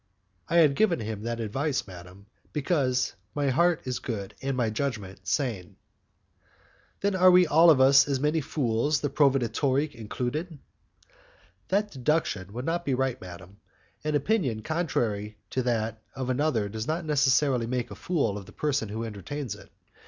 "I have given him that advice, madam, because my heart is good, and my judgment sane." "Then we are all of us as many fools, the proveditore included?" "That deduction would not be right, madam. An opinion contrary to that of another does not necessarily make a fool of the person who entertains it.